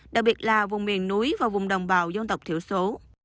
đặc biệt là vùng miền núi và vùng đồng bào dân tộc thiểu số